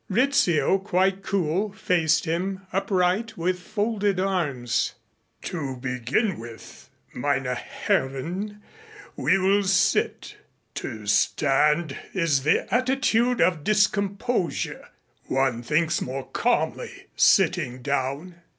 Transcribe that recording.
Rizzio, quite cool, faced him, upright, with folded arms. "To begin with, meine Herren, we will sit. To stand is the attitude of discomposure. One thinks more calmly sitting down.